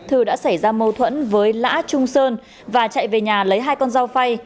thư đã xảy ra mâu thuẫn với lã trung sơn và chạy về nhà lấy hai con dao phay